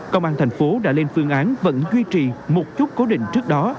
công an thành phố đã lên phương án vẫn duy trì một chút cố định trước đó